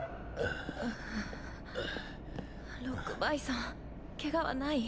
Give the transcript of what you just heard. ロックバイソンケガはない？